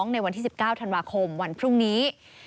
ในวันที่๑๙ธันวาคมวันพรุ่งนี้